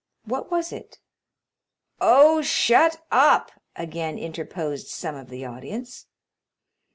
"What was it?" "Oh, shut up!" again interposed some of the audience.